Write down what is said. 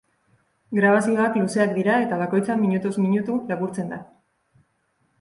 Grabazioak luzeak dira eta bakoitza minutuz minutu laburtzen da.